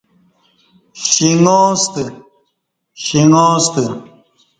شینگاستہ